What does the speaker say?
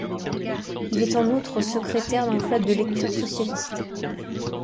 Il est en outre secrétaire d'un club de lecture socialiste.